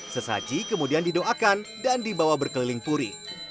sesaji kemudian didoakan dan dibawa berkeliling puri